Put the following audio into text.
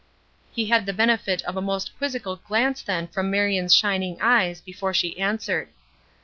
He had the benefit of a most quizzical glance then from Marion's shining eyes before she answered.